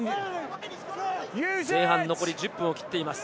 前半、残り１０分を切っています。